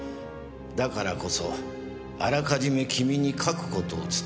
だからこそあらかじめ君に書く事を伝えたい。